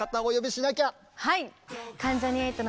はい！